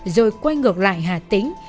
rồi quay ngược lại hà tĩnh